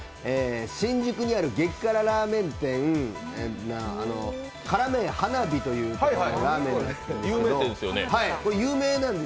新宿にある激辛ラーメン店辛麺華火というところのラーメンなんです。